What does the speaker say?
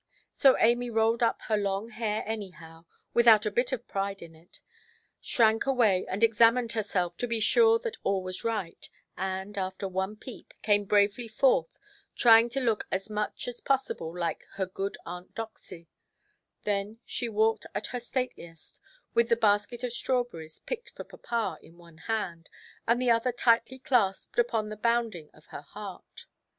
So Amy rolled up her long hair anyhow, without a bit of pride in it, shrank away and examined herself, to be sure that all was right, and, after one peep, came bravely forth, trying to look as much as possible like her good Aunt Doxy; then she walked at her stateliest, with the basket of strawberries, picked for papa, in one hand, and the other tightly clasped upon the bounding of her heart.